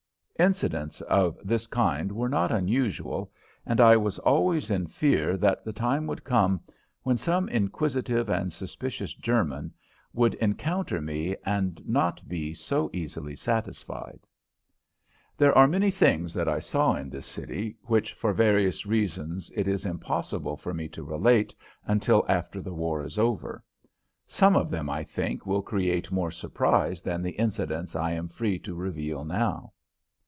Incidents of this kind were not unusual, and I was always in fear that the time would come when some inquisitive and suspicious German would encounter me and not be so easily satisfied. There are many things that I saw in this city which, for various reasons, it is impossible for me to relate until after the war is over. Some of them, I think, will create more surprise than the incidents I am free to reveal now.